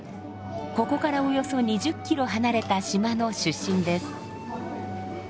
ここからおよそ２０キロ離れた島の出身です。